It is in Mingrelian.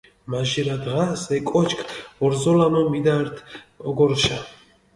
მაჟირა დღას ე კოჩქჷ ორზოლამო მიდართჷ ოგორჷშა.